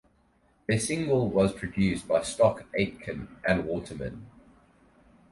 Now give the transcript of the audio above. Their single was produced by Stock Aitken and Waterman.